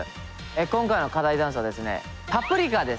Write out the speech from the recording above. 今回の課題ダンスはですね「パプリカ」です。